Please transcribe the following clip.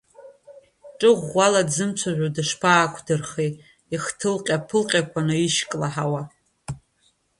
Ҿыӷәӷәала дзымцәажәо дышԥаақәдырхеи, ихҭылҟьа-ԥылҟьақәа наишьклаҳәуа!